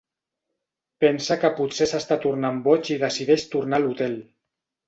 Pensa que potser s'està tornant boig i decideix tornar a l'hotel.